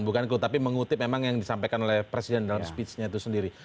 bukan klunya tapi mengutip memang yang disampaikan oleh presiden dalam speech nya itu sendiri